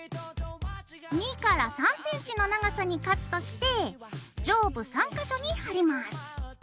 ２３ｃｍの長さにカットして上部３か所に貼ります。